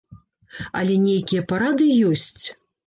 Але нейкія парады ёсць.